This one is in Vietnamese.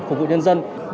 phục vụ nhân dân